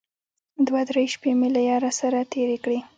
دوه درې شپې مې له ياره سره تېرې کړې.